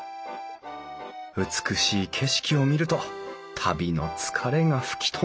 美しい景色を見ると旅の疲れが吹き飛んじゃうよ